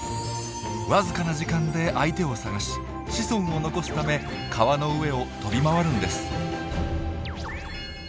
わずかな時間で相手を探し子孫を残すため川の上を飛び回るんです。